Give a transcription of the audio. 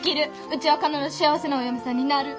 うちは必ず幸せなお嫁さんになる！